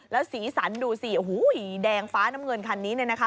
แล้วสีสันดูสิโอ้โหแดงฟ้าน้ำเงินคันนี้เนี่ยนะคะ